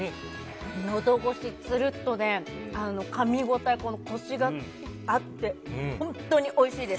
のど越し、つるっとで、かみ応え、このこしがあって、本当においしいです。